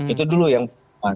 itu dulu yang pertama